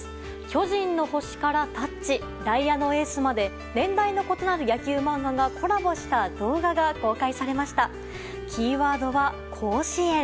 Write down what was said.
「巨人の星」から「タッチ」「ダイヤのＡ」まで年代の異なる野球漫画がコラボした動画が公開されました。